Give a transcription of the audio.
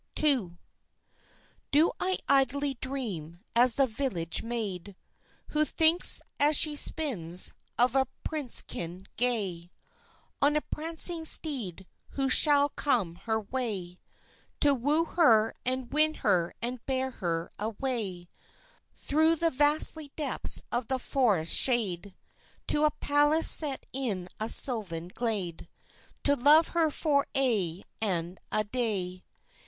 II. Do I idly dream, as the village maid, Who thinks, as she spins, of a princekin gay On a prancing steed, who shall come her way To woo her and win her and bear her away Thro' the vasty depths of the forest shade To a palace set in a sylvan glade, To love her for aye and a day?